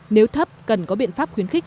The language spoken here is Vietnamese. nếu thấp cần có biện pháp khuyến khích